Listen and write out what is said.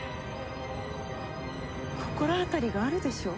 心当たりがあるでしょう？